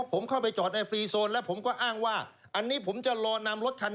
ผมเข้าไปจอดในฟรีโซนและผมก็อ้างว่าอันนี้ผมจะรอนำรถคันนี้ออกไปจาก